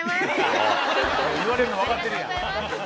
言われるのわかってるやん。